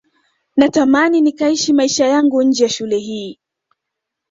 natamani nikaishi maisha yangu nje ya shule hii